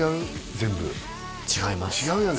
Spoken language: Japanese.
全部違います違うよね